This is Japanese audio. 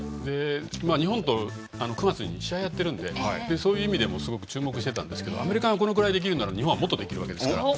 日本とは９月に試合をやっていたのでそういう意味でもすごく注目してたんですがアメリカがこのくらいできるなら日本はもっとできると。